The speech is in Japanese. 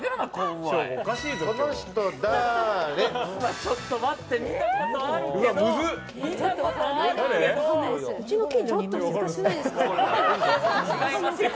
ちょっと待って見たことあるけど。